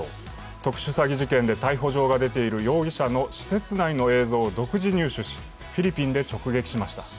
特殊詐欺事件で逮捕状が出ている容疑者の施設内の映像を独自入手しフィリピンで直撃しました。